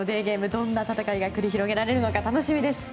どんな戦いが繰り広げられるのか楽しみです。